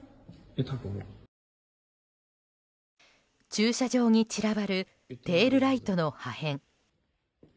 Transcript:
駐車場に散らばるテールライトの破片。